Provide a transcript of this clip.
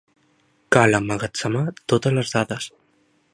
Cal emmagatzemar totes les dades.